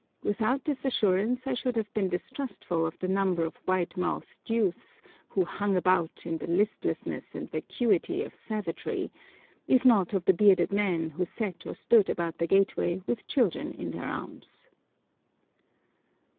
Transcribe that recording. Without this assurance I should have been distrustful of the number of wide mouthed youths who hung about, in the listlessness and vacuity of savagery, if not of the bearded men who sat or stood about the gateway with children in their arms.